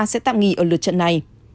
sẽ tạm nghỉ ở lượt trận này